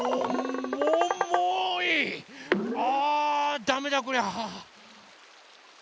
あダメだこりゃ。